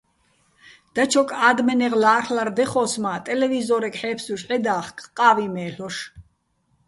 დაჩოკ ა́დმენეღ ლა́რ'ლარ დეხო́ს მა́, ტელევიზო́რეგ ჰ̦ე́ფსუშ ჺედა́ხკ, ყა́ვი მე́ლ'ოშ.